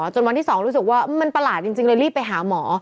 จนวันที่๒รู้สึกว่ามันประหลาดจริงเลยรีบไปหาหมอ